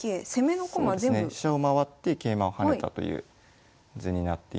飛車を回って桂馬を跳ねたという図になっています。